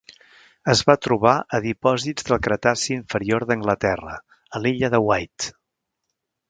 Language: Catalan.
Es va trobar a dipòsits del Cretaci inferior d'Anglaterra, a l'illa de Wight.